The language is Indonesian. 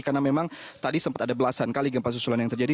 karena memang tadi sempat ada belasan kali gempa susulan yang terjadi